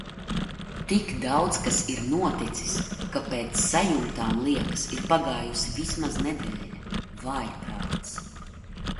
Tik daudz kas ir noticis, ka pēc sajūtām liekas ir pagājusi vismaz nedēļa. Vājprāts!